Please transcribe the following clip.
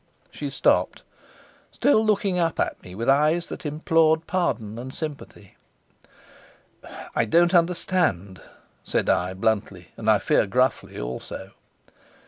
She stopped, still looking up at me with eyes that implored pardon and sympathy. "I don't understand," said I, bluntly, and, I fear, gruffly, also.